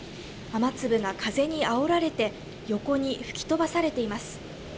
雨粒が風にあおられて、横に吹き飛ばされています。